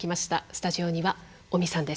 スタジオには尾身さんです。